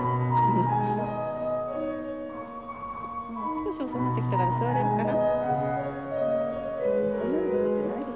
少し収まってきたら座れるかな？